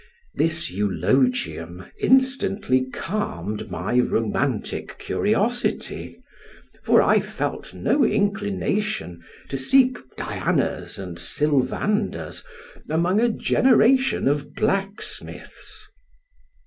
This eulogium instantly calmed my romantic curiosity, for I felt no inclination to seek Dianas and Sylvanders among a generation of blacksmiths.